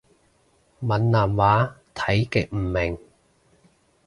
閩南話睇極唔明